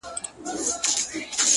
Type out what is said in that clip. خاموش کار تر لوړ غږ اغېزمن دی